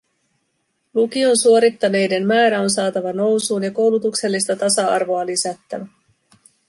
Lukion suorittaneiden määrä on saatava nousuun ja koulutuksellista tasa-arvoa lisättävä.